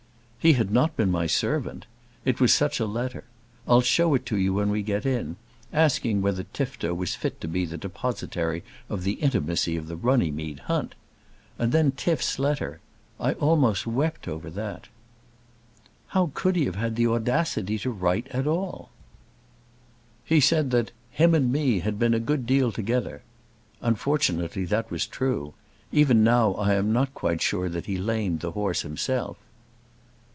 "He had not been my servant. It was such a letter. I'll show it you when we get in! asking whether Tifto was fit to be the depositary of the intimacy of the Runnymede hunt! And then Tif's letter; I almost wept over that." "How could he have had the audacity to write at all?" "He said that 'him and me had been a good deal together.' Unfortunately that was true. Even now I am not quite sure that he lamed the horse himself."